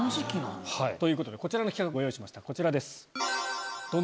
ということでこちらの企画ご用意しましたこちらです。